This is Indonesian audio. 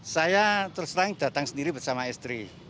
saya terserang datang sendiri bersama istri